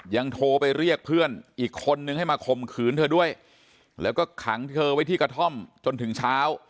โทรไปเรียกเพื่อนอีกคนนึงให้มาข่มขืนเธอด้วยแล้วก็ขังเธอไว้ที่กระท่อมจนถึงเช้า